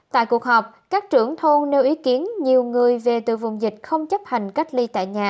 tại cuộc họp các trưởng thôn nêu ý kiến nhiều người về từ vùng dịch không chấp hành cách ly tại nhà